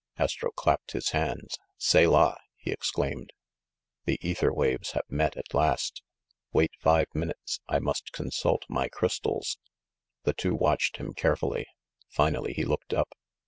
Astro clapped his hands. "Selah!" he exclaimed. "The ether waves have met at last ! Wait five minutes. I must consult my crystals." The two watched him carefully. Finally he looked up.